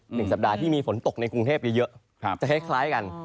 หนึ่งสัปดาห์ที่มีฝนตกในกรุงเทพเยอะครับจะคล้ายกัน